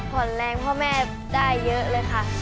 แรงพ่อแม่ได้เยอะเลยค่ะ